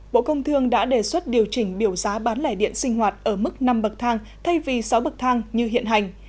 bộ công thương đã đề xuất điều chỉnh biểu giá bán lẻ điện sinh hoạt ở mức năm bậc thang thay vì sáu bậc thang như hiện hành